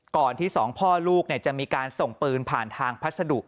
ก่อนที่๒พ่อลูกเนี่ยจะมีการส่งปืนผ่านทางพัฒนธุ